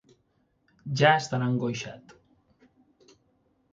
Ja estarà angoixat.